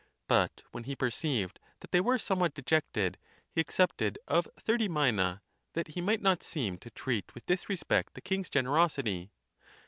But when he perceived that they were somewhat dejected, he accepted of thirty mine, that he might not seem to treat with dis respect the king's generosity.